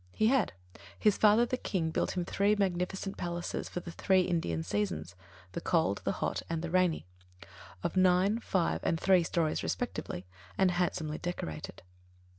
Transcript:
He had; his father, the King, built him three magnificent palaces for the three Indian seasons the cold, the hot, and the rainy of nine, five, and three stories respectively, and handsomely decorated.